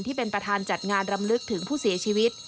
ที่เป็นประธานจัดงานรำลึกถึงผู้เสียชีวิต